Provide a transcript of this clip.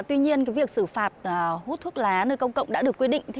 tuy nhiên việc xử phạt hút thuốc lá nơi công cộng đã được quy định